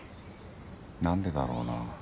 なんでだろうな